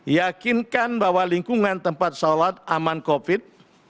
yakinkan bahwa lingkungan tempat sholat aman covid